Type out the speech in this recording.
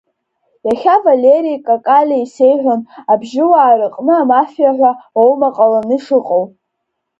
Иахьа Валери Какалиа исеиҳәон Абжьыуаа рыҟны амафиа ҳәа оума ҟаланы ишыҟоу.